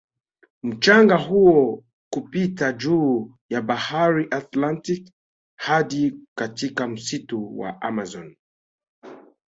Mchanga huo hupita juu ya bahari Atlantic hadi katika msitu wa amazon